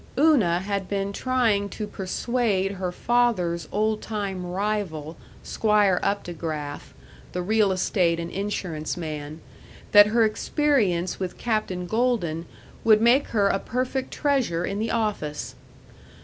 § 3 Una had been trying to persuade her father's old time rival, Squire Updegraff, the real estate and insurance man, that her experience with Captain Golden would make her a perfect treasure in the office.